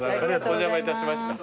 お邪魔いたしました。